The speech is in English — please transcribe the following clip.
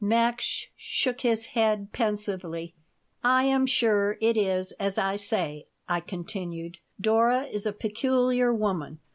Max shook his head pensively "I am sure it is as I say," I continued. "Dora is a peculiar woman.